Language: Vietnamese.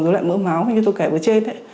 dấu lại mỡ máu như tôi kể vừa trên